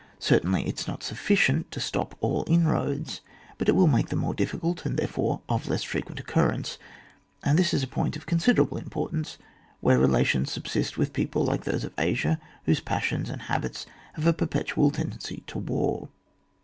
Cer tainly it is not suihcient to stop all in roads, but it will make them more difficult and therefore of less frequent occurrence, and this is a point of considerable impor tance where relations subsist with people like those of Asia, whose passions and habits have a perpetual tendency to war.